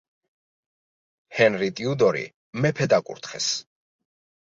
ჰენრი ტიუდორი მეფედ აკურთხეს.